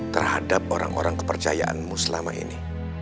terhadap orang orang kepercayaanmu selama ini